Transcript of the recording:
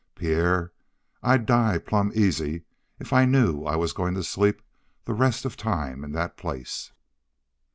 Pierre, I'd die plumb easy if I knew I was goin' to sleep the rest of time in that place."